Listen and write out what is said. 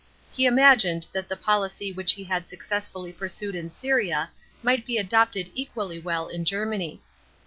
He imagined that the policy which he had successfully pursued in Syria might be adopted equally well in Germany.